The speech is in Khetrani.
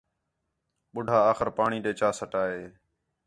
ٻُڈّھا آخر پاݨی ݙے چا سَٹا ہِے